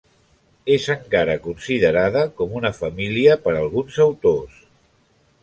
És encara considerada com una família per alguns autors.